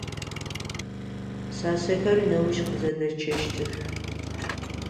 Пшъашъэхэр неущ къызэдэчъэщтых.